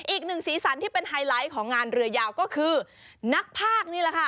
สีสันที่เป็นไฮไลท์ของงานเรือยาวก็คือนักภาคนี่แหละค่ะ